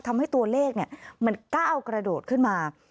ทำให้ตัวเลขมันก้าวกระโดดขึ้นมา